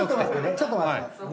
ちょっと待ってね。